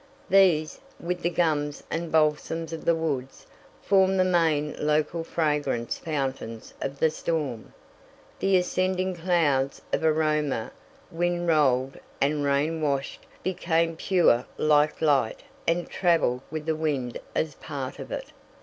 These, with the gums and balsams of the woods, form the main local fragrance fountains of the storm. The ascending clouds of aroma wind rolled and rain washed became pure like light and traveled with the wind as part of it.